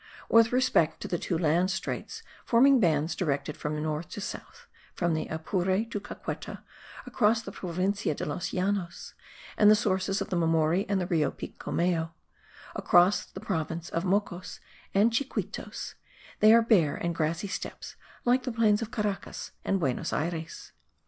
With respect to the two land straits forming bands directed from north to south (from the Apure to Caqueta across the Provincia de los Llanos, and the sources of the Mamori to Rio Pilcomayo, across the province of Mocos and Chiquitos) they are bare and grassy steppes like the plains of Caracas and Buenos Ayres.